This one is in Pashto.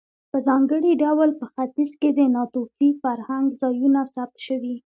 په ځانګړي ډول په ختیځ کې د ناتوفي فرهنګ ځایونه ثبت شوي.